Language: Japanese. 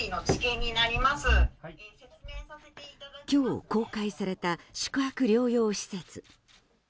今日、公開された宿泊療養施設。